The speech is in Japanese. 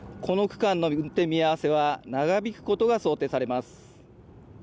この区間の運転見合わせは長引くことが想定されます。